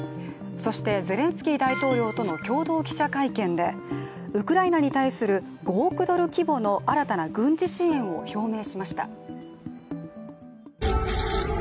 そしてゼレンスキー大統領との共同記者会見でウクライナに対する５億ドル規模の新たな軍事支援を表明しました。